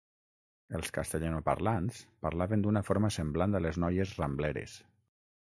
Els castellanoparlants parlaven d'una forma semblant a les noies Rambleres.